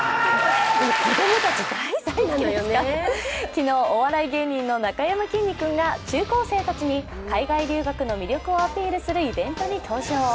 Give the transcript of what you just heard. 昨日、お笑い芸人のなかやまきんに君が中高生たちに海外留学の魅力をアピールするイベントに登場。